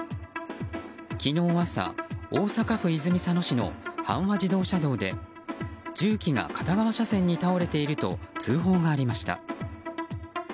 昨日朝、大阪府泉佐野市の阪和自動車道で重機が片側車線に倒れていると通報がありました。